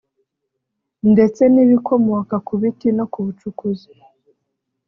ndetse n’ibikomoka ku biti no ku bucukuzi”